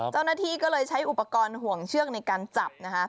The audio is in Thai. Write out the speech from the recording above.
เจ้าหน้าที่ก็เลยใช้อุปกรณ์ห่วงเชือกในการจับนะคะ